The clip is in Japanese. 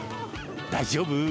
大丈夫？